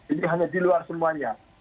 ini hanya di luar semuanya